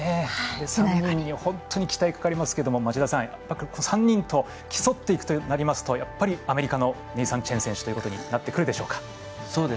本当に期待かかりますけど町田さん、３人と競っていくとなりますとやっぱりアメリカのネイサン・チェン選手ということになってくるでしょうか。